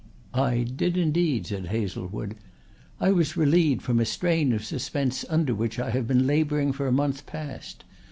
"I did indeed," said Hazlewood. "I was relieved from a strain of suspense under which I have been labouring for a month past.